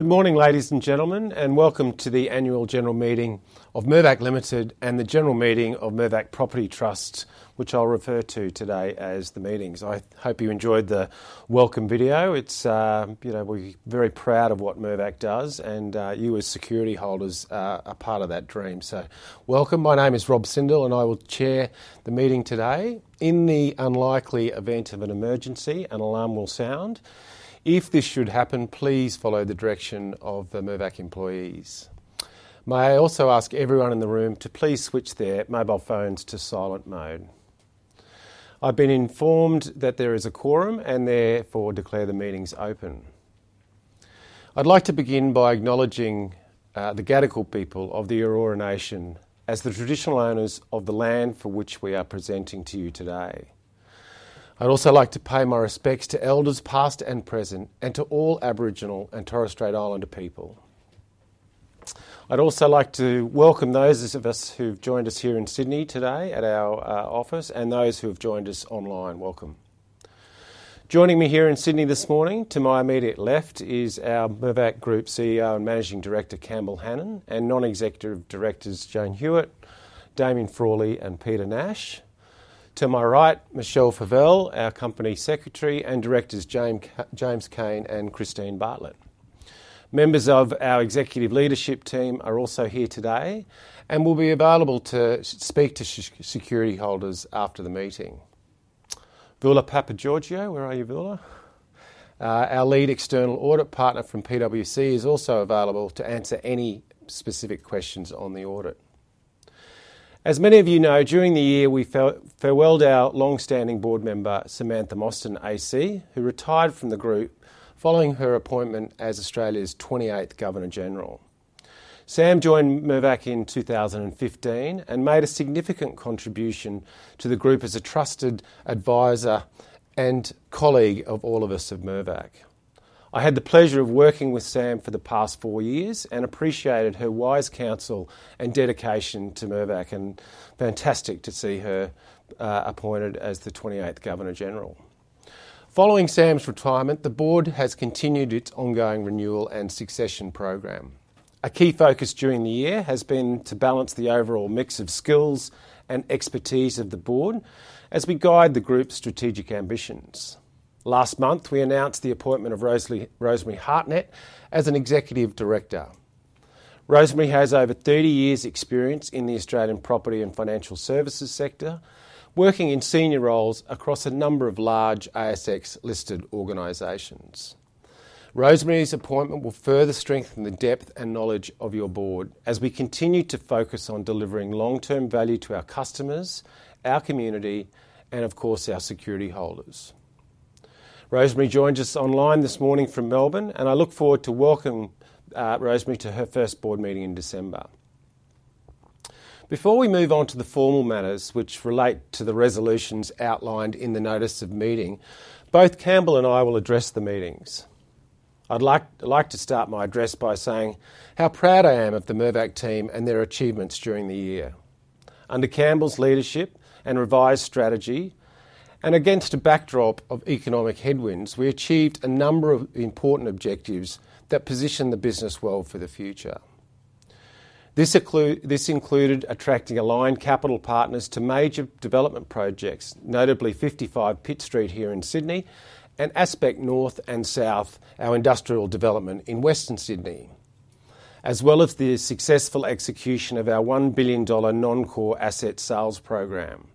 Good morning, ladies and gentlemen, and welcome to the annual general meeting of Mirvac Limited and the general meeting of Mirvac Property Trust, which I'll refer to today as the meetings. I hope you enjoyed the welcome video. It's you know, we're very proud of what Mirvac does, and you as security holders are part of that dream. So, welcome. My name is Rob Sindel, and I will chair the meeting today. In the unlikely event of an emergency, an alarm will sound. If this should happen, please follow the direction of the Mirvac employees. May I also ask everyone in the room to please switch their mobile phones to silent mode? I've been informed that there is a quorum, and therefore declare the meetings open. I'd like to begin by acknowledging the Gadigal people of the Eora Nation as the traditional owners of the land for which we are presenting to you today. I'd also like to pay my respects to elders past and present, and to all Aboriginal and Torres Strait Islander people. I'd also like to welcome those of us who've joined us here in Sydney today at our office, and those who have joined us online. Welcome. Joining me here in Sydney this morning, to my immediate left is our Mirvac Group CEO and Managing Director, Campbell Hanan, and non-executive directors, Jane Hewitt, Damien Frawley, and Peter Nash. To my right, Michelle Favelle, our company secretary, and directors, James Cain, and Christine Bartlett. Members of our executive leadership team are also here today and will be available to speak to security holders after the meeting. Voula Papageorgiou, where are you, Voula? Our lead external audit partner from PwC is also available to answer any specific questions on the audit. As many of you know, during the year we farewelled our longstanding board member, Samantha Mostyn, AC, who retired from the group following her appointment as Australia's 28th Governor-General. Sam joined Mirvac in 2015 and made a significant contribution to the group as a trusted advisor and colleague of all of us of Mirvac. I had the pleasure of working with Sam for the past four years and appreciated her wise counsel and dedication to Mirvac, and fantastic to see her appointed as the 28th Governor-General. Following Sam's retirement, the board has continued its ongoing renewal and succession program. A key focus during the year has been to balance the overall mix of skills and expertise of the board as we guide the group's strategic ambitions. Last month, we announced the appointment of Rosemary Hartnett as an executive director. Rosemary has over 30 years' experience in the Australian property and financial services sector, working in senior roles across a number of large ASX-listed organizations. Rosemary's appointment will further strengthen the depth and knowledge of your board as we continue to focus on delivering long-term value to our customers, our community, and of course, our security holders. Rosemary joins us online this morning from Melbourne, and I look forward to welcoming Rosemary to her first board meeting in December. Before we move on to the formal matters which relate to the resolutions outlined in the notice of meeting, both Campbell and I will address the meetings. I'd like to start my address by saying how proud I am of the Mirvac team and their achievements during the year. Under Campbell's leadership and revised strategy, and against a backdrop of economic headwinds, we achieved a number of important objectives that position the business well for the future. This included attracting aligned capital partners to major development projects, notably 55 Pitt Street here in Sydney and Aspect North and South, our industrial development in Western Sydney, as well as the successful execution of our 1 billion dollar non-core asset sales program.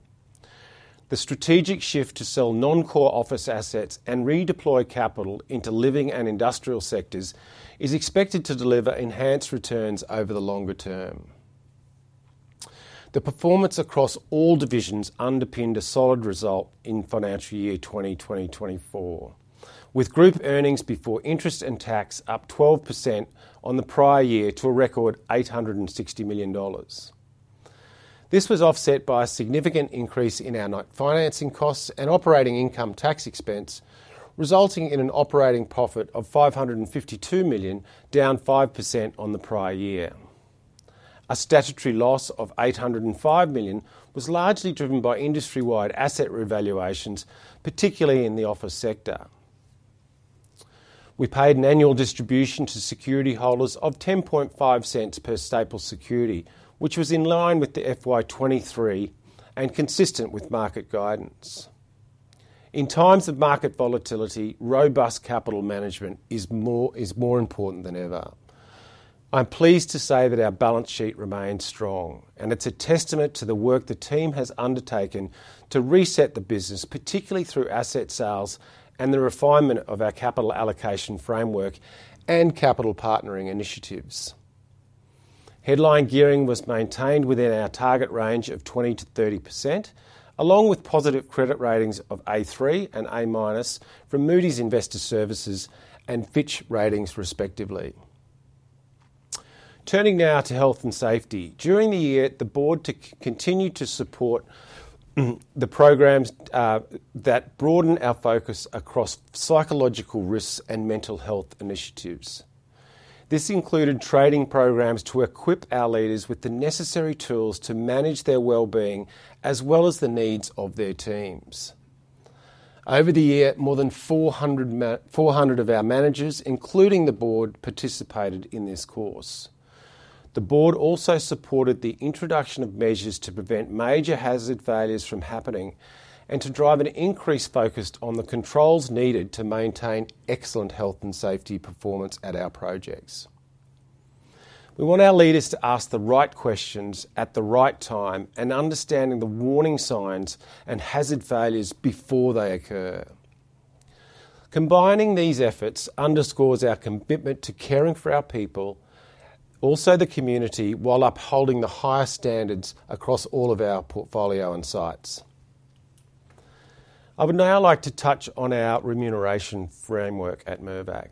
The strategic shift to sell non-core office assets and redeploy capital into living and industrial sectors is expected to deliver enhanced returns over the longer term. The performance across all divisions underpinned a solid result in financial year 2024, with group earnings before interest and tax up 12% on the prior year to a record 860 million dollars. This was offset by a significant increase in our net financing costs and operating income tax expense, resulting in an operating profit of 552 million, down 5% on the prior year. A statutory loss of 805 million was largely driven by industry-wide asset revaluations, particularly in the office sector. We paid an annual distribution to security holders of 10.05 per staple security, which was in line with the FY 2023 and consistent with market guidance. In times of market volatility, robust capital management is more important than ever. I'm pleased to say that our balance sheet remains strong, and it's a testament to the work the team has undertaken to reset the business, particularly through asset sales and the refinement of our capital allocation framework and capital partnering initiatives. Headline gearing was maintained within our target range of 20% to 30%, along with positive credit ratings of A3 and A- from Moody's Investors Service and Fitch Ratings, respectively. Turning now to health and safety, during the year, the board continued to support the programs that broaden our focus across psychological risks and mental health initiatives. This included training programs to equip our leaders with the necessary tools to manage their well-being as well as the needs of their teams. Over the year, more than 400 of our managers, including the board, participated in this course. The board also supported the introduction of measures to prevent major hazard failures from happening and to drive an increase focused on the controls needed to maintain excellent health and safety performance at our projects. We want our leaders to ask the right questions at the right time and understand the warning signs and hazard failures before they occur. Combining these efforts underscores our commitment to caring for our people, also the community, while upholding the highest standards across all of our portfolio and sites. I would now like to touch on our remuneration framework at Mirvac.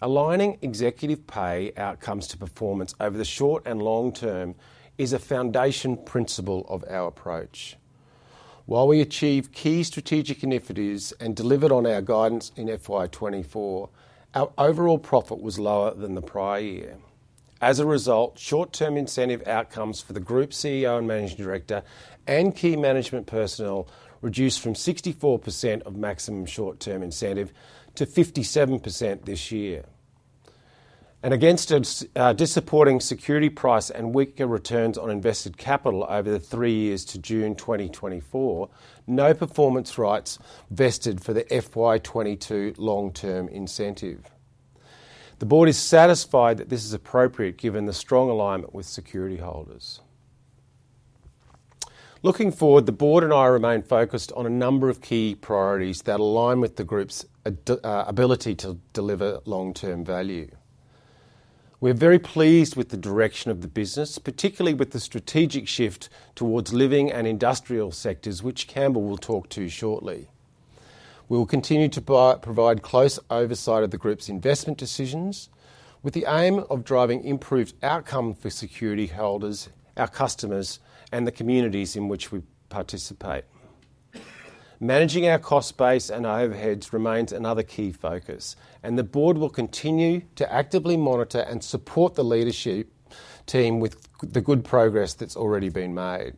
Aligning executive pay outcomes to performance over the short and long term is a foundation principle of our approach. While we achieved key strategic initiatives and delivered on our guidance in FY 2024, our overall profit was lower than the prior year. As a result, short-term incentive outcomes for the Group CEO and Managing Director and key management personnel reduced from 64% of maximum short-term incentive to 57% this year. Against a disappointing security price and weaker returns on invested capital over the three years to June 2024, no performance rights vested for the FY 2022 long-term incentive. The board is satisfied that this is appropriate given the strong alignment with security holders. Looking forward, the board and I remain focused on a number of key priorities that align with the group's ability to deliver long-term value. We're very pleased with the direction of the business, particularly with the strategic shift towards living and industrial sectors, which Campbell will talk to shortly. We will continue to provide close oversight of the group's investment decisions with the aim of driving improved outcomes for security holders, our customers, and the communities in which we participate. Managing our cost base and overheads remains another key focus, and the board will continue to actively monitor and support the leadership team with the good progress that's already been made.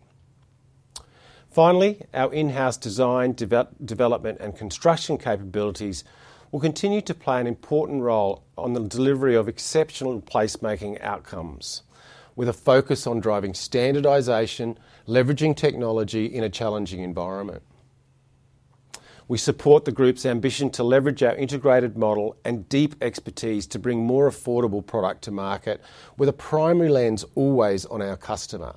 Finally, our in-house design, development, and construction capabilities will continue to play an important role in the delivery of exceptional placemaking outcomes, with a focus on driving standardization, leveraging technology in a challenging environment. We support the group's ambition to leverage our integrated model and deep expertise to bring more affordable product to market, with a primary lens always on our customer.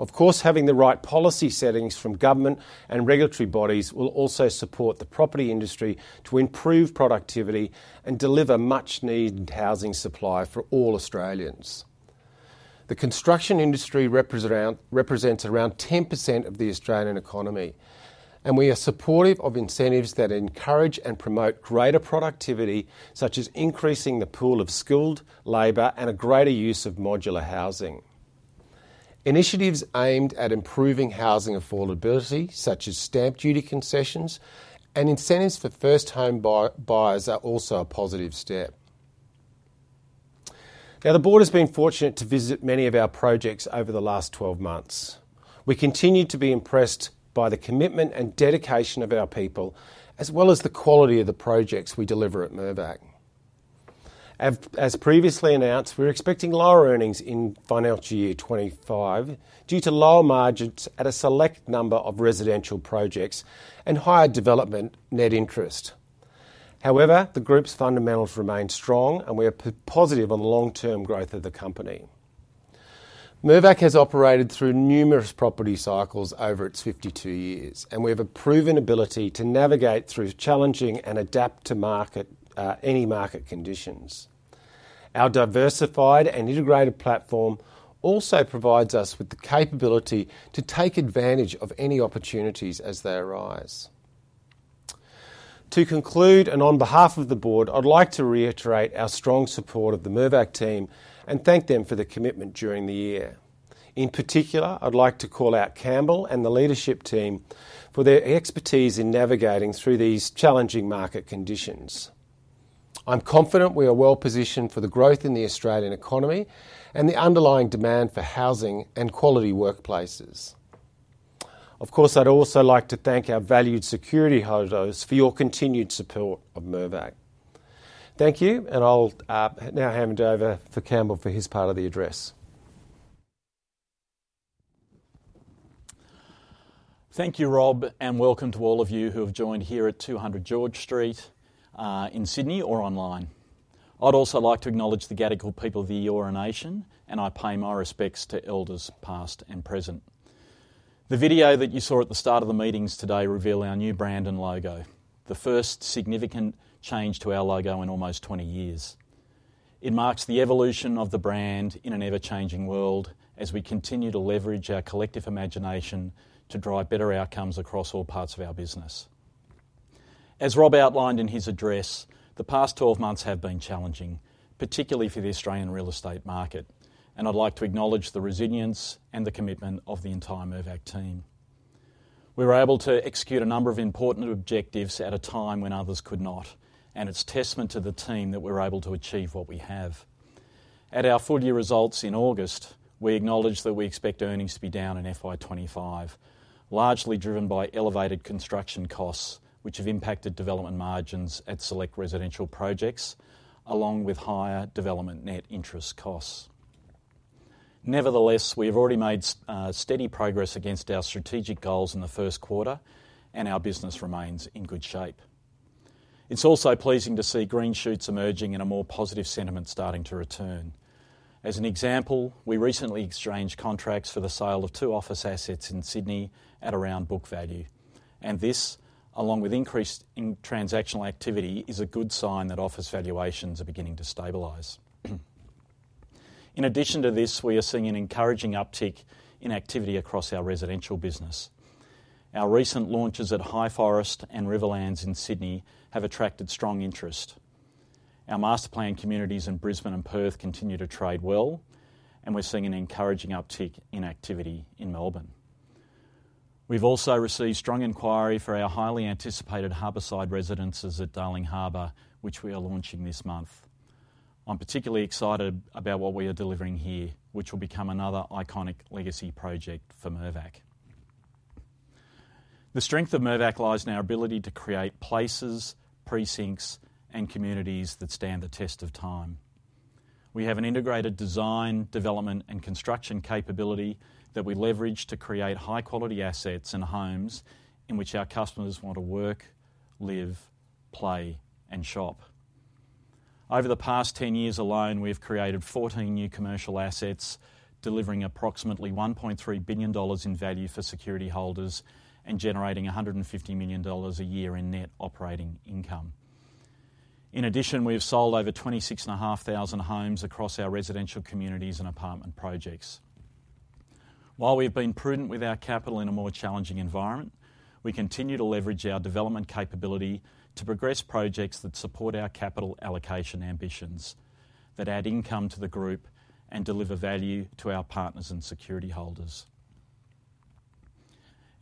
Of course, having the right policy settings from government and regulatory bodies will also support the property industry to improve productivity and deliver much-needed housing supply for all Australians. The construction industry represents around 10% of the Australian economy, and we are supportive of incentives that encourage and promote greater productivity, such as increasing the pool of skilled labor and a greater use of modular housing. Initiatives aimed at improving housing affordability, such as stamp duty concessions and incentives for first home buyers, are also a positive step. Now, the board has been fortunate to visit many of our projects over the last 12 months. We continue to be impressed by the commitment and dedication of our people, as well as the quality of the projects we deliver at Mirvac. As previously announced, we're expecting lower earnings in financial year 25 due to lower margins at a select number of residential projects and higher development net interest. However, the group's fundamentals remain strong, and we are positive on the long-term growth of the company. Mirvac has operated through numerous property cycles over its 52 years, and we have a proven ability to navigate through challenging and adapt to any market conditions. Our diversified and integrated platform also provides us with the capability to take advantage of any opportunities as they arise. To conclude, and on behalf of the board, I'd like to reiterate our strong support of the Mirvac team and thank them for their commitment during the year. In particular, I'd like to call out Campbell and the leadership team for their expertise in navigating through these challenging market conditions. I'm confident we are well positioned for the growth in the Australian economy and the underlying demand for housing and quality workplaces. Of course, I'd also like to thank our valued security holders for your continued support of Mirvac. Thank you, and I'll now hand over to Campbell for his part of the address. Thank you, Rob, and welcome to all of you who have joined here at 200 George Street in Sydney or online. I'd also like to acknowledge the Gadigal people of the Eora Nation, and I pay my respects to elders past and present. The video that you saw at the start of the meetings today revealed our new brand and logo, the first significant change to our logo in almost 20 years. It marks the evolution of the brand in an ever-changing world as we continue to leverage our collective imagination to drive better outcomes across all parts of our business. As Rob outlined in his address, the past 12 months have been challenging, particularly for the Australian real estate market, and I'd like to acknowledge the resilience and the commitment of the entire Mirvac team. We were able to execute a number of important objectives at a time when others could not, and it's a testament to the team that we're able to achieve what we have. At our full year results in August, we acknowledged that we expect earnings to be down in FY 2025, largely driven by elevated construction costs, which have impacted development margins at select residential projects, along with higher development net interest costs. Nevertheless, we have already made steady progress against our strategic goals in the Q1, and our business remains in good shape. It's also pleasing to see green shoots emerging and a more positive sentiment starting to return. As an example, we recently exchanged contracts for the sale of two office assets in Sydney at around book value, and this, along with increased transactional activity, is a good sign that office valuations are beginning to stabilize. In addition to this, we are seeing an encouraging uptick in activity across our residential business. Our recent launches at Highforest and Riverlands in Sydney have attracted strong interest. Our master plan communities in Brisbane and Perth continue to trade well, and we're seeing an encouraging uptick in activity in Melbourne. We've also received strong inquiry for our highly anticipated Harbourside Residences at Darling Harbour, which we are launching this month. I'm particularly excited about what we are delivering here, which will become another iconic legacy project for Mirvac. The strength of Mirvac lies in our ability to create places, precincts, and communities that stand the test of time. We have an integrated design, development, and construction capability that we leverage to create high-quality assets and homes in which our customers want to work, live, play, and shop. Over the past 10 years alone, we have created 14 new commercial assets, delivering approximately 1.3 billion dollars in value for security holders and generating 150 million dollars a year in net operating income. In addition, we have sold over 26,500 homes across our residential communities and apartment projects. While we have been prudent with our capital in a more challenging environment, we continue to leverage our development capability to progress projects that support our capital allocation ambitions, that add income to the group and deliver value to our partners and security holders.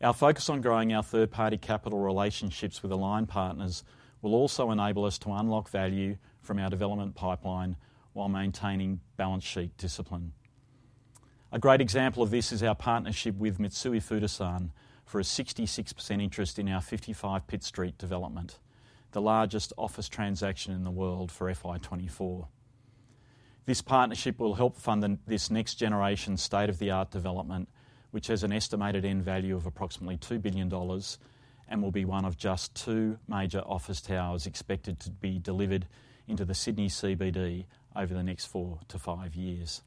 Our focus on growing our third-party capital relationships with aligned partners will also enable us to unlock value from our development pipeline while maintaining balance sheet discipline. A great example of this is our partnership with Mitsui Fudosan for a 66% interest in our 55 Pitt Street development, the largest office transaction in the world for FY 2024. This partnership will help fund this next generation state-of-the-art development, which has an estimated end value of approximately 2 billion dollars and will be one of just two major office towers expected to be delivered into the Sydney CBD over the next four to five years.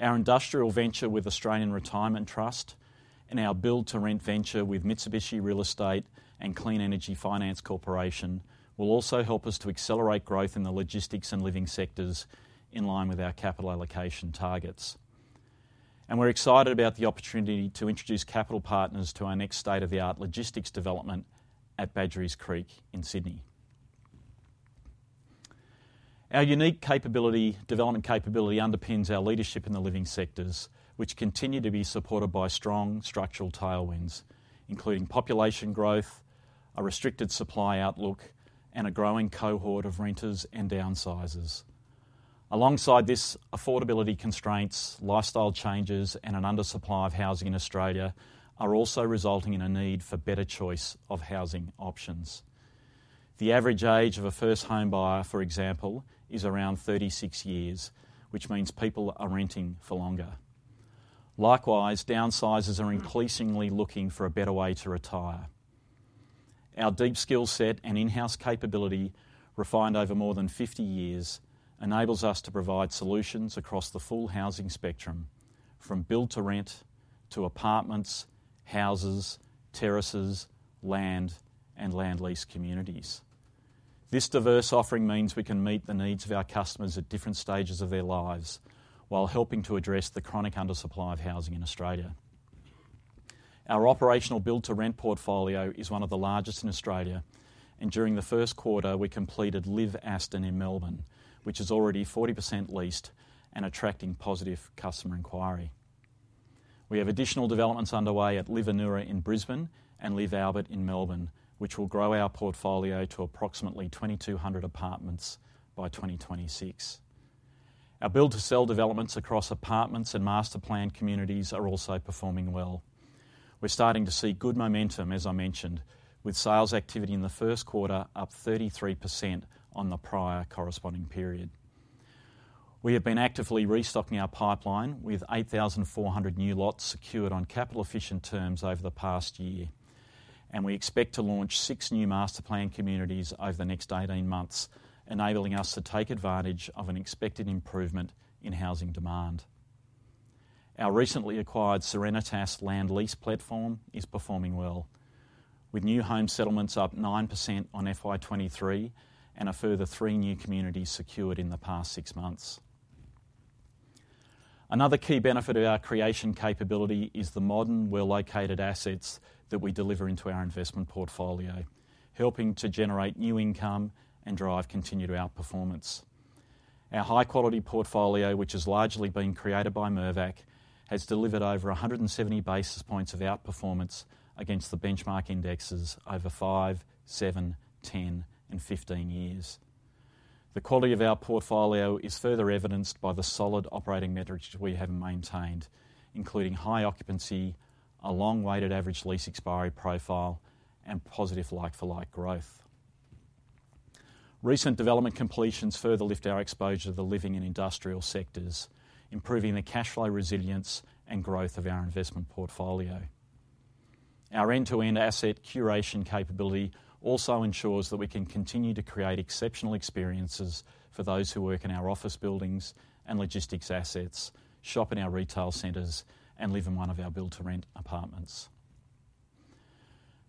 Our industrial venture with Australian Retirement Trust and our build-to-rent venture with Mitsubishi Estate and Clean Energy Finance Corporation will also help us to accelerate growth in the logistics and living sectors in line with our capital allocation targets, and we're excited about the opportunity to introduce capital partners to our next state-of-the-art logistics development at Badgerys Creek in Sydney. Our unique development capability underpins our leadership in the living sectors, which continue to be supported by strong structural tailwinds, including population growth, a restricted supply outlook, and a growing cohort of renters and downsizers. Alongside this, affordability constraints, lifestyle changes, and an undersupply of housing in Australia are also resulting in a need for better choice of housing options. The average age of a first home buyer, for example, is around 36 years, which means people are renting for longer. Likewise, downsizers are increasingly looking for a better way to retire. Our deep skill set and in-house capability, refined over more than 50 years, enables us to provide solutions across the full housing spectrum, from build-to-rent to apartments, houses, terraces, land, and land lease communities. This diverse offering means we can meet the needs of our customers at different stages of their lives while helping to address the chronic undersupply of housing in Australia. Our operational build-to-rent portfolio is one of the largest in Australia, and during the Q1, we completed LIV Aston in Melbourne, which is already 40% leased and attracting positive customer inquiry. We have additional developments underway at LIV Anura in Brisbane and LIV Albert in Melbourne, which will grow our portfolio to approximately 2,200 apartments by 2026. Our build-to-sell developments across apartments and master plan communities are also performing well. We're starting to see good momentum, as I mentioned, with sales activity in the Q1 up 33% on the prior corresponding period. We have been actively restocking our pipeline with 8,400 new lots secured on capital-efficient terms over the past year, and we expect to launch six new master plan communities over the next 18 months, enabling us to take advantage of an expected improvement in housing demand. Our recently acquired Serenitas land lease platform is performing well, with new home settlements up 9% on FY 2023 and a further three new communities secured in the past six months. Another key benefit of our creation capability is the modern, well-located assets that we deliver into our investment portfolio, helping to generate new income and drive continued outperformance. Our high-quality portfolio, which has largely been created by Mirvac, has delivered over 170 basis points of outperformance against the benchmark indexes over five, seven, 10, and 15 years. The quality of our portfolio is further evidenced by the solid operating metrics we have maintained, including high occupancy, a long-weighted average lease expiry profile, and positive like-for-like growth. Recent development completions further lift our exposure to the living and industrial sectors, improving the cash flow resilience and growth of our investment portfolio. Our end-to-end asset curation capability also ensures that we can continue to create exceptional experiences for those who work in our office buildings and logistics assets, shop in our retail centers, and live in one of our build-to-rent apartments.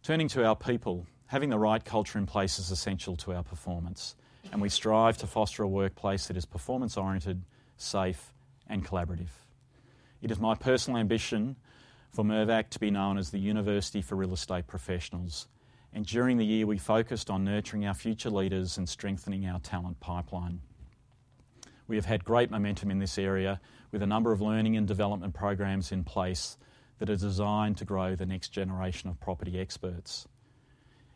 Turning to our people, having the right culture in place is essential to our performance, and we strive to foster a workplace that is performance-oriented, safe, and collaborative. It is my personal ambition for Mirvac to be known as the university for real estate professionals, and during the year, we focused on nurturing our future leaders and strengthening our talent pipeline. We have had great momentum in this area with a number of learning and development programs in place that are designed to grow the next generation of property experts.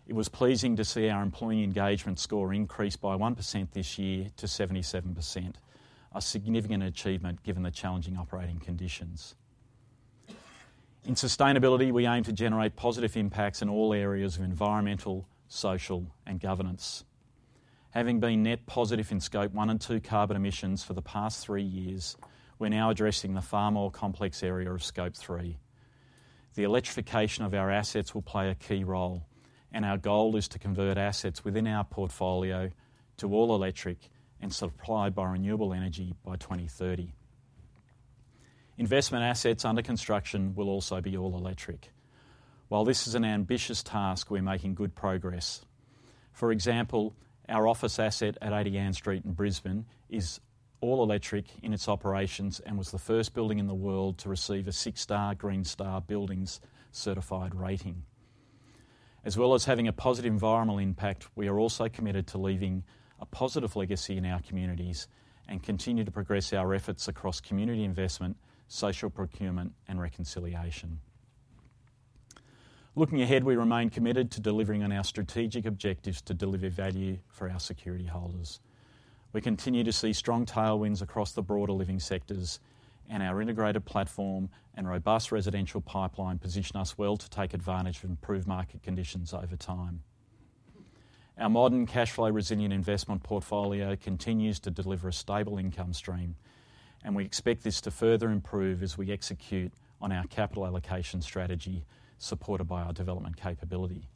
It was pleasing to see our employee engagement score increase by 1% this year to 77%, a significant achievement given the challenging operating conditions. In sustainability, we aim to generate positive impacts in all areas of environmental, social, and governance. Having been net positive in Scope 1 and 2 carbon emissions for the past three years, we're now addressing the far more complex area of Scope 3. The electrification of our assets will play a key role, and our goal is to convert assets within our portfolio to all electric and supplied by renewable energy by 2030. Investment assets under construction will also be all electric. While this is an ambitious task, we're making good progress. For example, our office asset at Ann Street in Brisbane is all electric in its operations and was the first building in the world to receive a six-star Green Star Buildings certified rating. As well as having a positive environmental impact, we are also committed to leaving a positive legacy in our communities and continue to progress our efforts across community investment, social procurement, and reconciliation. Looking ahead, we remain committed to delivering on our strategic objectives to deliver value for our security holders. We continue to see strong tailwinds across the broader living sectors, and our integrated platform and robust residential pipeline position us well to take advantage of improved market conditions over time. Our modern, cash flow-resilient investment portfolio continues to deliver a stable income stream, and we expect this to further improve as we execute on our capital allocation strategy supported by our development capability.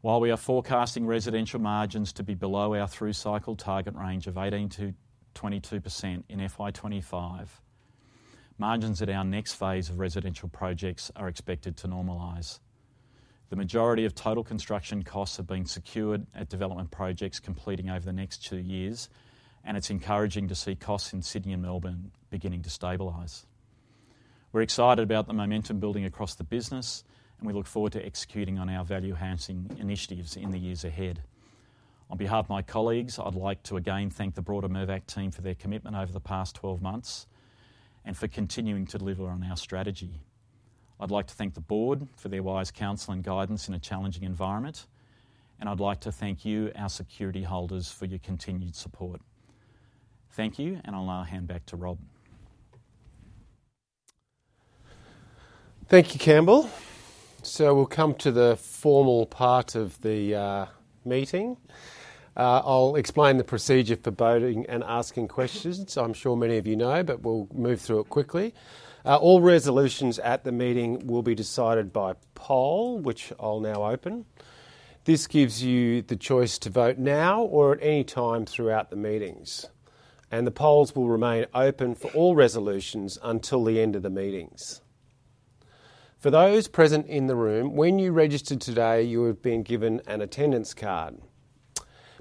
While we are forecasting residential margins to be below our through cycle target range of 18% to 22% in FY 2025, margins at our next phase of residential projects are expected to normalize. The majority of total construction costs have been secured at development projects completing over the next two years, and it's encouraging to see costs in Sydney and Melbourne beginning to stabilize. We're excited about the momentum building across the business, and we look forward to executing on our value-enhancing initiatives in the years ahead. On behalf of my colleagues, I'd like to again thank the broader Mirvac team for their commitment over the past 12 months and for continuing to deliver on our strategy. I'd like to thank the board for their wise counsel and guidance in a challenging environment, and I'd like to thank you, our security holders, for your continued support. Thank you, and I'll now hand back to Rob. Thank you, Campbell. We'll come to the formal part of the meeting. I'll explain the procedure for voting and asking questions. I'm sure many of you know, but we'll move through it quickly. All resolutions at the meeting will be decided by poll, which I'll now open. This gives you the choice to vote now or at any time throughout the meetings, and the polls will remain open for all resolutions until the end of the meetings. For those present in the room, when you registered today, you have been given an attendance card.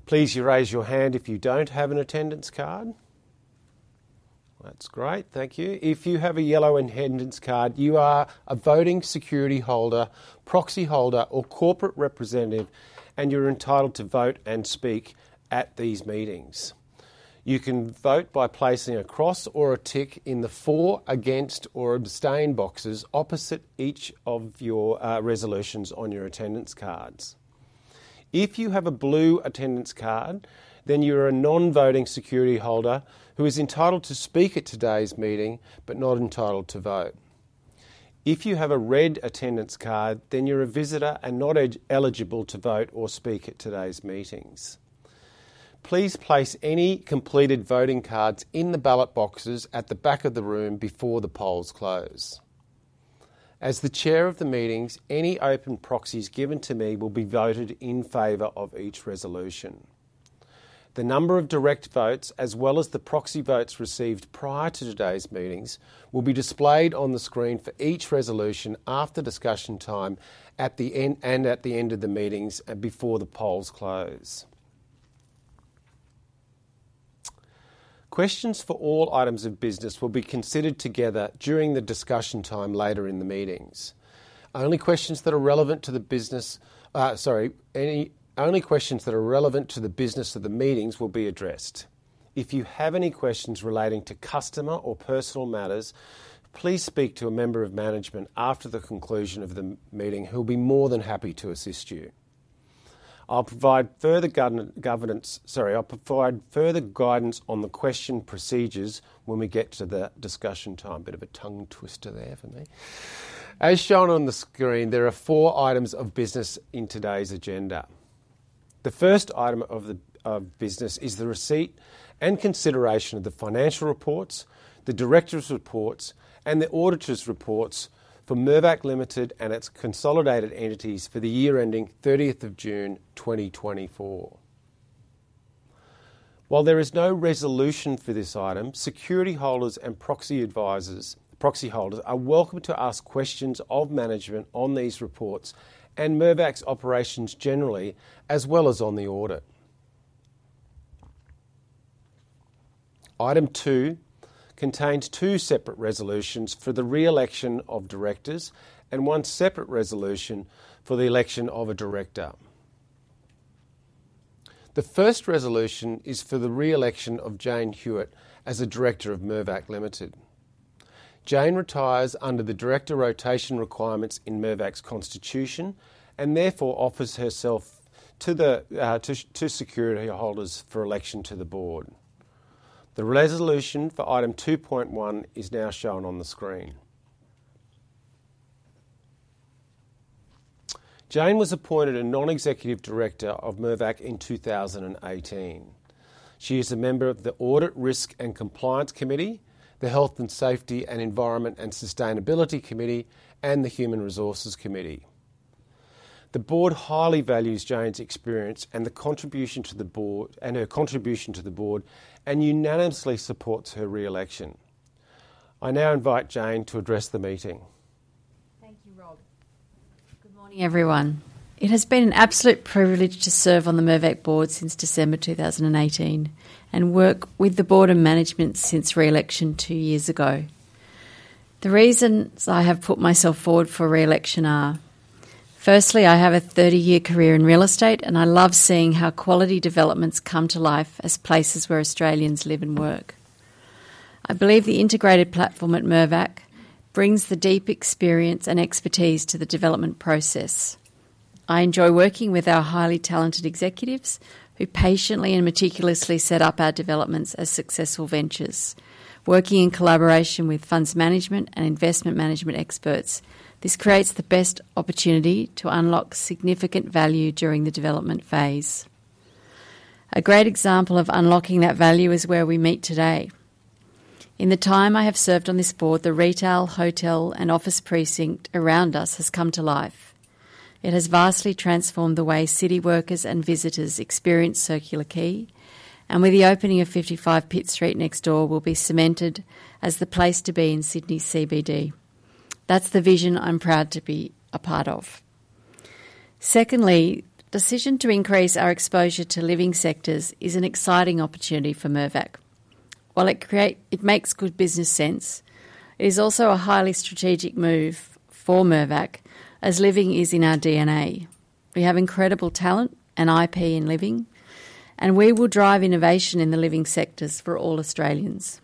Please raise your hand if you don't have an attendance card. That's great. Thank you. If you have a yellow attendance card, you are a voting security holder, proxy holder, or corporate representative, and you're entitled to vote and speak at these meetings. You can vote by placing a cross or a tick in the for, against, or abstain boxes opposite each of your resolutions on your attendance cards. If you have a blue attendance card, then you are a non-voting security holder who is entitled to speak at today's meeting but not entitled to vote. If you have a red attendance card, then you're a visitor and not eligible to vote or speak at today's meetings. Please place any completed voting cards in the ballot boxes at the back of the room before the polls close. As the chair of the meetings, any open proxies given to me will be voted in favor of each resolution. The number of direct votes, as well as the proxy votes received prior to today's meetings, will be displayed on the screen for each resolution after discussion time and at the end of the meetings and before the polls close. Questions for all items of business will be considered together during the discussion time later in the meetings. Only questions that are relevant to the business, sorry, only questions that are relevant to the business of the meetings will be addressed. If you have any questions relating to customer or personal matters, please speak to a member of management after the conclusion of the meeting. He'll be more than happy to assist you. I'll provide further governance, sorry, I'll provide further guidance on the question procedures when we get to the discussion time. Bit of a tongue twister there for me. As shown on the screen, there are four items of business in today's agenda. The first item of business is the receipt and consideration of the financial reports, the director's reports, and the auditor's reports for Mirvac Limited and its consolidated entities for the year ending 30th of June 2024. While there is no resolution for this item, security holders and proxy advisors, proxy holders are welcome to ask questions of management on these reports and Mirvac's operations generally, as well as on the audit. Item two contains two separate resolutions for the re-election of directors and one separate resolution for the election of a director. The first resolution is for the re-election of Jane Hewitt as a director of Mirvac Limited. Jane retires under the director rotation requirements in Mirvac's constitution and therefore offers herself to the security holders for election to the board. The resolution for item 2.1 is now shown on the screen. Jane was appointed a non-executive director of Mirvac in 2018. She is a member of the Audit, Risk and Compliance Committee, the Health and Safety and Environment and Sustainability Committee, and the Human Resources Committee. The board highly values Jane's experience and her contribution to the board and unanimously supports her re-election. I now invite Jane to address the meeting. Thank you, Rob. Good morning, everyone. It has been an absolute privilege to serve on the Mirvac board since December 2018 and work with the board and management since re-election two years ago. The reasons I have put myself forward for re-election are, firstly, I have a 30-year career in real estate, and I love seeing how quality developments come to life as places where Australians live and work. I believe the integrated platform at Mirvac brings the deep experience and expertise to the development process. I enjoy working with our highly talented executives who patiently and meticulously set up our developments as successful ventures. Working in collaboration with funds management and investment management experts, this creates the best opportunity to unlock significant value during the development phase. A great example of unlocking that value is where we meet today. In the time I have served on this board, the retail, hotel, and office precinct around us has come to life. It has vastly transformed the way city workers and visitors experience Circular Quay, and with the opening of 55 Pitt Street next door, we'll be cemented as the place to be in Sydney CBD. That's the vision I'm proud to be a part of. Secondly, the decision to increase our exposure to living sectors is an exciting opportunity for Mirvac. While it makes good business sense, it is also a highly strategic move for Mirvac, as living is in our DNA. We have incredible talent and IP in living, and we will drive innovation in the living sectors for all Australians.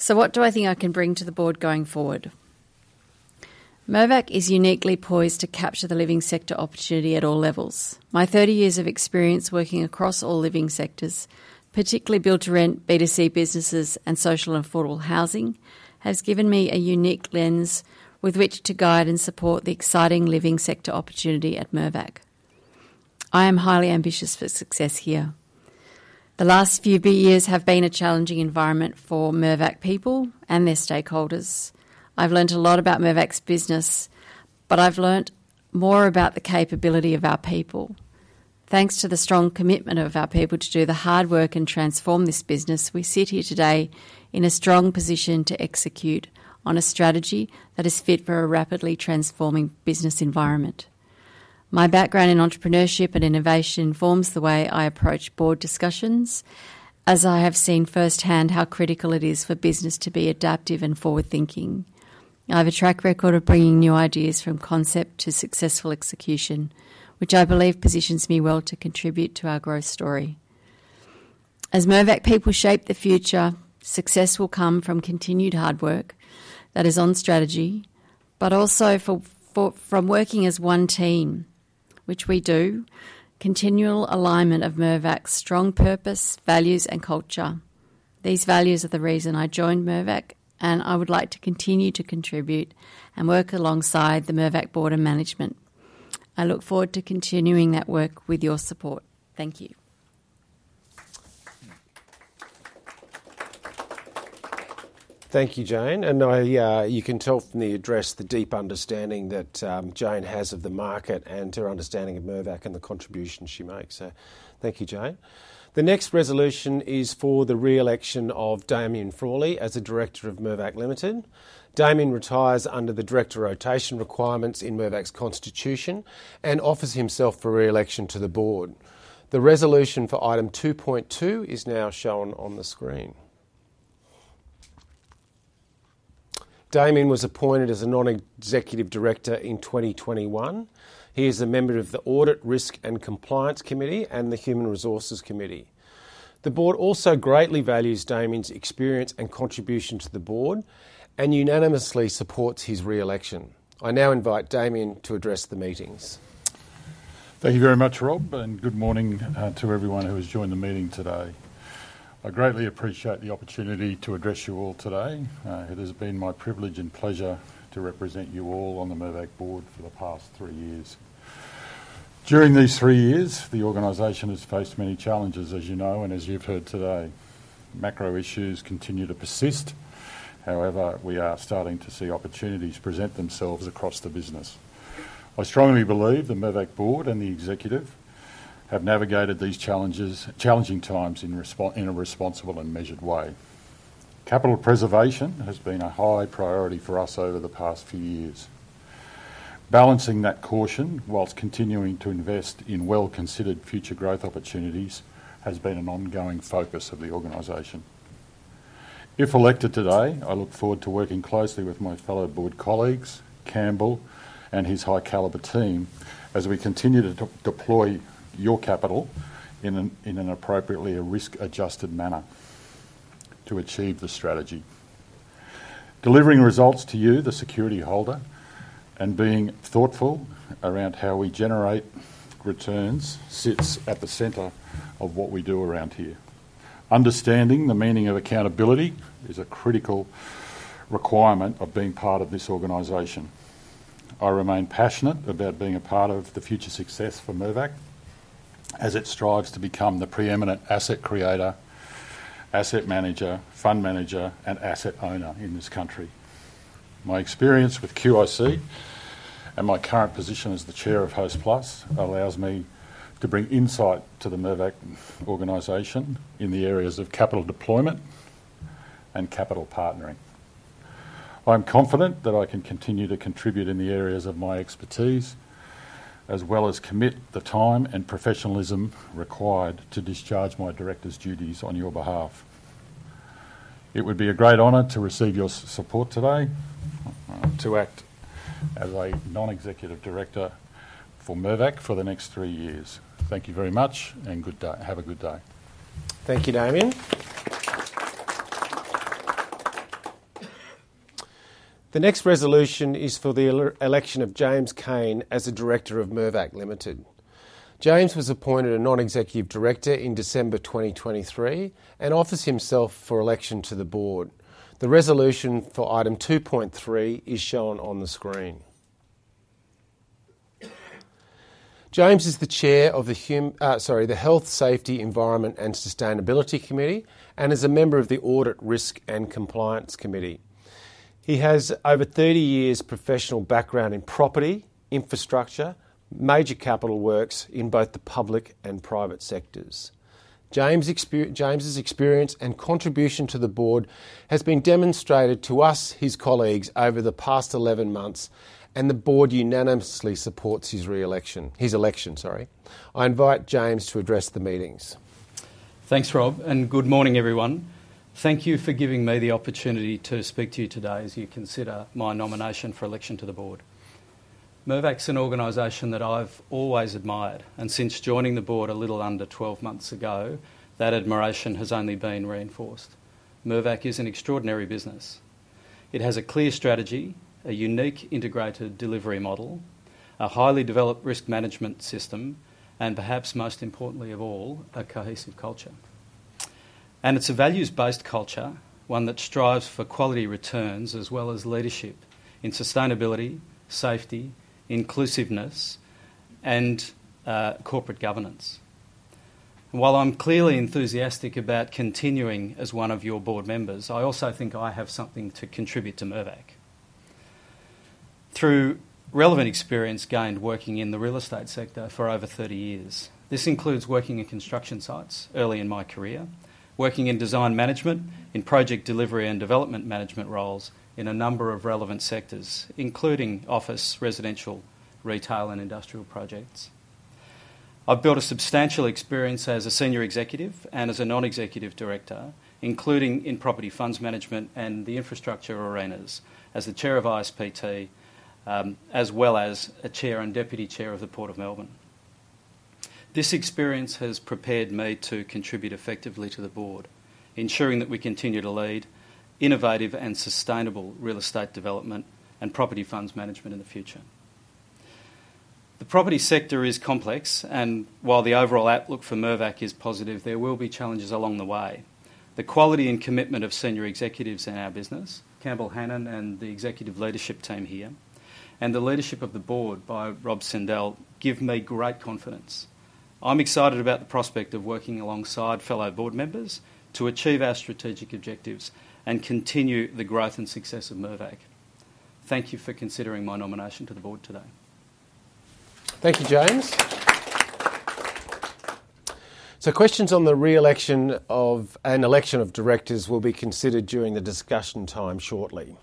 So what do I think I can bring to the board going forward? Mirvac is uniquely poised to capture the living sector opportunity at all levels. My 30 years of experience working across all living sectors, particularly build-to-rent, B2C businesses, and social and affordable housing, has given me a unique lens with which to guide and support the exciting living sector opportunity at Mirvac. I am highly ambitious for success here. The last few years have been a challenging environment for Mirvac people and their stakeholders. I've learned a lot about Mirvac's business, but I've learned more about the capability of our people. Thanks to the strong commitment of our people to do the hard work and transform this business, we sit here today in a strong position to execute on a strategy that is fit for a rapidly transforming business environment. My background in entrepreneurship and innovation forms the way I approach board discussions, as I have seen firsthand how critical it is for business to be adaptive and forward-thinking. I have a track record of bringing new ideas from concept to successful execution, which I believe positions me well to contribute to our growth story. As Mirvac people shape the future, success will come from continued hard work that is on strategy, but also from working as one team, which we do, continual alignment of Mirvac's strong purpose, values, and culture. These values are the reason I joined Mirvac, and I would like to continue to contribute and work alongside the Mirvac board and management. I look forward to continuing that work with your support. Thank you. Thank you, Jane, and you can tell from the address the deep understanding that Jane has of the market and her understanding of Mirvac and the contribution she makes, so thank you, Jane. The next resolution is for the re-election of Damien Frawley as a director of Mirvac Limited. Damien retires under the director rotation requirements in Mirvac's constitution and offers himself for re-election to the board. The resolution for item 2.2 is now shown on the screen. Damien was appointed as a non-executive director in 2021. He is a member of the Audit, Risk and Compliance Committee and the Human Resources Committee. The board also greatly values Damien's experience and contribution to the board and unanimously supports his re-election. I now invite Damien to address the meetings. Thank you very much, Rob, and good morning to everyone who has joined the meeting today. I greatly appreciate the opportunity to address you all today. It has been my privilege and pleasure to represent you all on the Mirvac board for the past three years. During these three years, the organization has faced many challenges, as you know, and as you've heard today, macro issues continue to persist. However, we are starting to see opportunities present themselves across the business. I strongly believe the Mirvac board and the executive have navigated these challenging times in a responsible and measured way. Capital preservation has been a high priority for us over the past few years. Balancing that caution while continuing to invest in well-considered future growth opportunities has been an ongoing focus of the organization. If elected today, I look forward to working closely with my fellow board colleagues, Campbell, and his high-caliber team as we continue to deploy your capital in an appropriately risk-adjusted manner to achieve the strategy. Delivering results to you, the security holder, and being thoughtful around how we generate returns sits at the center of what we do around here. Understanding the meaning of accountability is a critical requirement of being part of this organization. I remain passionate about being a part of the future success for Mirvac as it strives to become the preeminent asset creator, asset manager, fund manager, and asset owner in this country. My experience with QIC and my current position as the chair of Hostplus allows me to bring insight to the Mirvac organization in the areas of capital deployment and capital partnering. I'm confident that I can continue to contribute in the areas of my expertise as well as commit the time and professionalism required to discharge my director's duties on your behalf. It would be a great honor to receive your support today to act as a non-executive director for Mirvac for the next three years. Thank you very much and have a good day. Thank you, Damien. The next resolution is for the election of James Cain as a director of Mirvac Limited. James was appointed a non-executive director in December 2023 and offers himself for election to the board. The resolution for item 2.3 is shown on the screen. James is the chair of the Health, Safety, Environment and Sustainability Committee and is a member of the Audit, Risk and Compliance Committee. He has over 30 years' professional background in property, infrastructure, major capital works in both the public and private sectors. James's experience and contribution to the board has been demonstrated to us, his colleagues, over the past 11 months, and the board unanimously supports his election. I invite James to address the meetings. Thanks, Rob, and good morning, everyone. Thank you for giving me the opportunity to speak to you today as you consider my nomination for election to the board. Mirvac's an organization that I've always admired, and since joining the board a little under 12 months ago, that admiration has only been reinforced. Mirvac is an extraordinary business. It has a clear strategy, a unique integrated delivery model, a highly developed risk management system, and perhaps most importantly of all, a cohesive culture, and it's a values-based culture, one that strives for quality returns as well as leadership in sustainability, safety, inclusiveness, and corporate governance. While I'm clearly enthusiastic about continuing as one of your board members, I also think I have something to contribute to Mirvac through relevant experience gained working in the real estate sector for over 30 years. This includes working in construction sites early in my career, working in design management, in project delivery and development management roles in a number of relevant sectors, including office, residential, retail, and industrial projects. I've built a substantial experience as a senior executive and as a non-executive director, including in property funds management and the infrastructure arenas as the Chair of ISPT, as well as a Chair and Deputy Chair of the Port of Melbourne. This experience has prepared me to contribute effectively to the board, ensuring that we continue to lead innovative and sustainable real estate development and property funds management in the future. The property sector is complex, and while the overall outlook for Mirvac is positive, there will be challenges along the way. The quality and commitment of senior executives in our business, Campbell Hanan and the executive leadership team here, and the leadership of the board by Rob Sindel give me great confidence. I'm excited about the prospect of working alongside fellow board members to achieve our strategic objectives and continue the growth and success of Mirvac. Thank you for considering my nomination to the board today. Thank you, James. Questions on the re-election or election of directors will be considered during the discussion time shortly.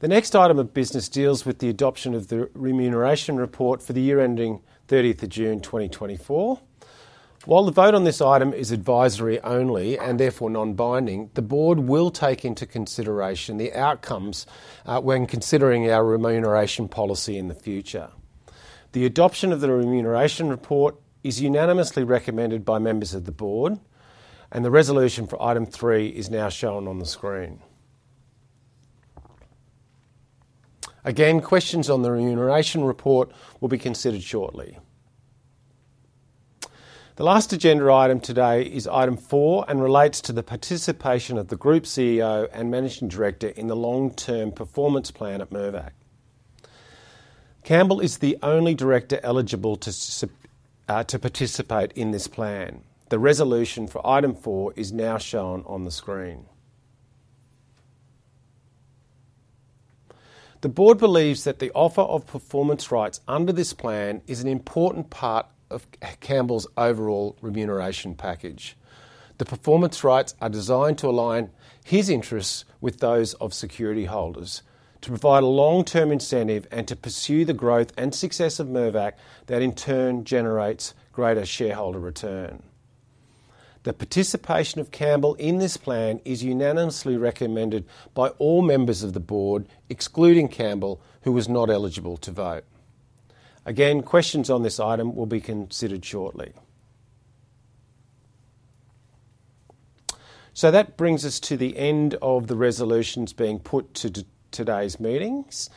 The next item of business deals with the adoption of the remuneration report for the year ending 30th of June 2024. While the vote on this item is advisory only and therefore non-binding, the board will take into consideration the outcomes when considering our remuneration policy in the future. The adoption of the remuneration report is unanimously recommended by members of the board, and the resolution for item three is now shown on the screen. Again, questions on the remuneration report will be considered shortly. The last agenda item today is item four and relates to the participation of the Group CEO and Managing Director in the long-term performance plan at Mirvac. Campbell is the only director eligible to participate in this plan. The resolution for item four is now shown on the screen. The board believes that the offer of performance rights under this plan is an important part of Campbell's overall remuneration package. The performance rights are designed to align his interests with those of security holders, to provide a long-term incentive and to pursue the growth and success of Mirvac that in turn generates greater shareholder return. The participation of Campbell in this plan is unanimously recommended by all members of the board, excluding Campbell, who was not eligible to vote. Again, questions on this item will be considered shortly. So that brings us to the end of the resolutions being put to today's meetings.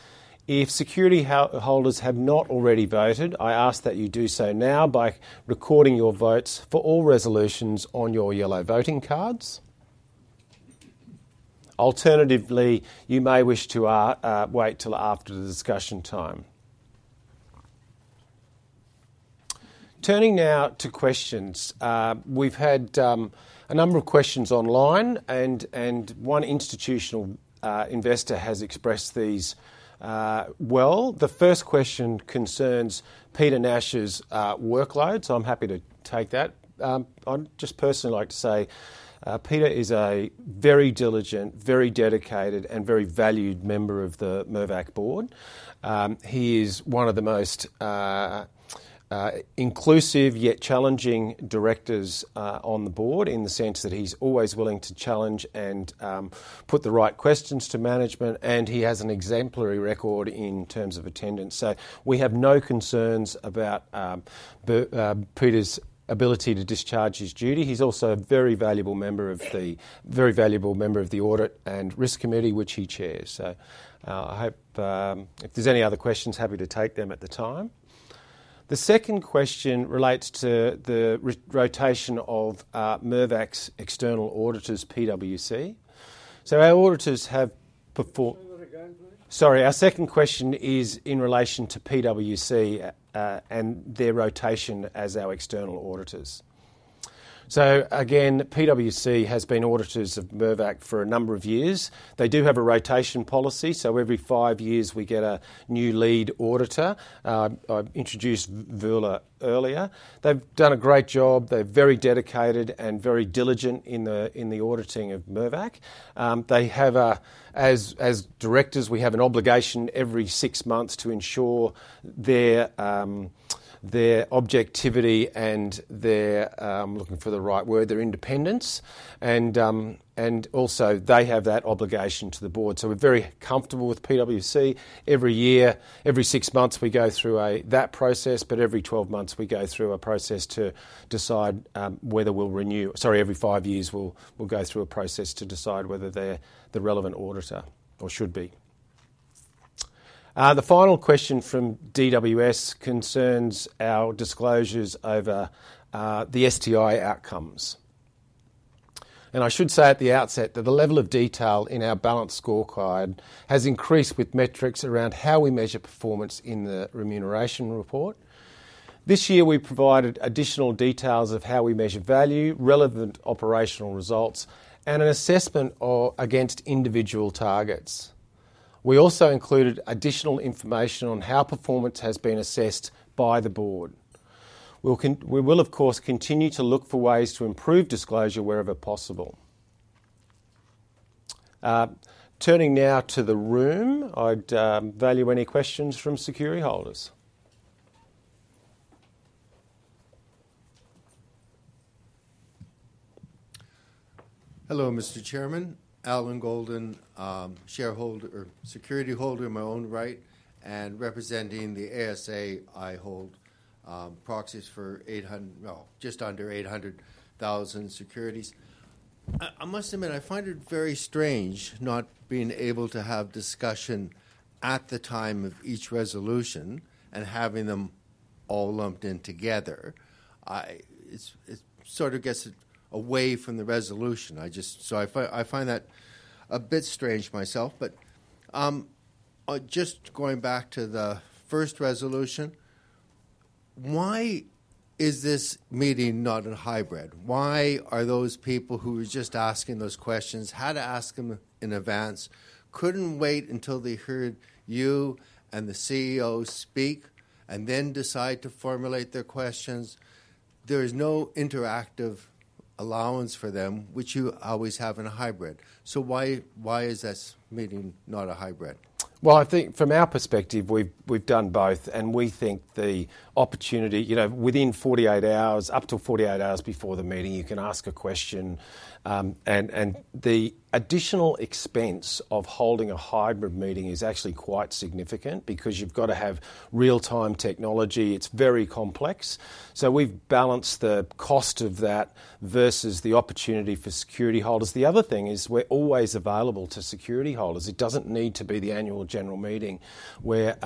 If security holders have not already voted, I ask that you do so now by recording your votes for all resolutions on your yellow voting cards. Alternatively, you may wish to wait till after the discussion time. Turning now to questions. We've had a number of questions online, and one institutional investor has expressed these well. The first question concerns Peter Nash's workload, so I'm happy to take that. I'd just personally like to say Peter is a very diligent, very dedicated, and very valued member of the Mirvac board. He is one of the most inclusive yet challenging directors on the board in the sense that he's always willing to challenge and put the right questions to management, and he has an exemplary record in terms of attendance. So we have no concerns about Peter's ability to discharge his duty. He's also a very valuable member of the Audit and Risk Committee, which he chairs. So I hope if there's any other questions, happy to take them at the time. The second question relates to the rotation of Mirvac's external auditors, PwC. So our auditors have performed. Sorry, our second question is in relation to PwC and their rotation as our external auditors. So again, PwC has been auditors of Mirvac for a number of years. They do have a rotation policy, so every five years we get a new lead auditor. I introduced Voula earlier. They've done a great job. They're very dedicated and very diligent in the auditing of Mirvac. As directors, we have an obligation every six months to ensure their objectivity and their, I'm looking for the right word, their independence. And also they have that obligation to the board. So we're very comfortable with PwC. Every year, every six months, we go through that process, but every 12 months we go through a process to decide whether we'll renew. Sorry, every five years we'll go through a process to decide whether they're the relevant auditor or should be. The final question from DWS concerns our disclosures over the STI outcomes, and I should say at the outset that the level of detail in our balanced scorecard has increased with metrics around how we measure performance in the remuneration report. This year we provided additional details of how we measure value, relevant operational results, and an assessment against individual targets. We also included additional information on how performance has been assessed by the board. We will, of course, continue to look for ways to improve disclosure wherever possible. Turning now to the room, I'd value any questions from security holders. Hello, Mr. Chairman. Allan Goldin, shareholder or security holder in my own right, and representing the ASA, I hold proxies for just under 800,000 securities. I must admit I find it very strange not being able to have discussion at the time of each resolution and having them all lumped in together. It sort of gets away from the resolution. So I find that a bit strange myself. But just going back to the first resolution, why is this meeting not a hybrid? Why are those people who were just asking those questions had to ask them in advance, couldn't wait until they heard you and the CEO speak and then decide to formulate their questions? There is no interactive allowance for them, which you always have in a hybrid. So why is this meeting not a hybrid? Well, I think from our perspective, we've done both, and we think the opportunity within 48 hours, up to 48 hours before the meeting, you can ask a question, and the additional expense of holding a hybrid meeting is actually quite significant because you've got to have real-time technology. It's very complex, so we've balanced the cost of that versus the opportunity for security holders. The other thing is we're always available to security holders. It doesn't need to be the annual general meeting where